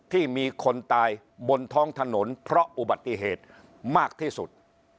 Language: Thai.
ที่มีคนตายบนท้องถนนเพราะอุบัติเหตุมากที่สุด